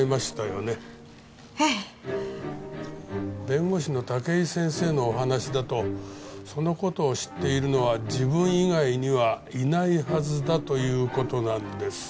弁護士の武井先生のお話だとその事を知っているのは自分以外にはいないはずだという事なんです。